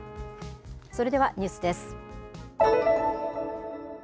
それではニュースです。